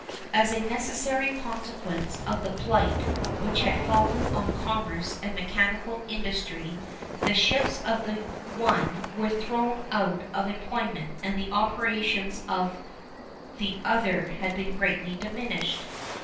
As a necessary consequence of the blight which had fallen on commerce and mechanical industry, the ships of the one were thrown out of employment and the operations of the other had been greatly diminished.